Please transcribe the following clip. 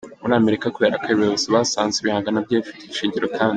muri Amerika kubera ko abayobozi basanze ibihangano bye bifite ishingiro kandi.